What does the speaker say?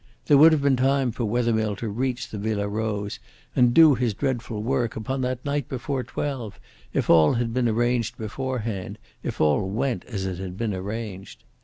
There would have been time for Wethermill to reach the Villa Rose and do his dreadful work upon that night before twelve, if all had been arranged beforehand, if all went as it had been arranged.